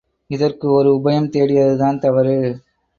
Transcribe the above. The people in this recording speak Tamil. இதற்கு ஒரு உபாயம் தேடியதுதான் தவறு.